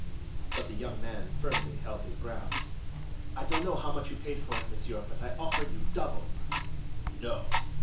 But the young man firmly held his ground. "I don't know how much you paid for it, monsieur, but I offer you double." "No."